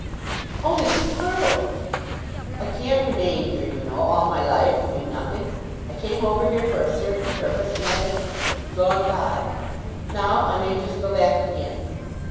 "Oh, Mrs. Hurtle!" "I can't remain here, you know, all my life doing nothing. I came over here for a certain purpose, and that has gone by. Now I may just go back again."